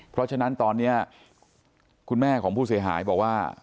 เพราะฉะนั้นตอนนี้คุณแม่ของผู้เสียหายบอกว่า